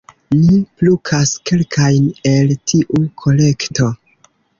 Ni plukas kelkajn el tiu kolekto.